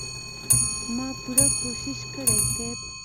ما پوره کوشش کړی صيب.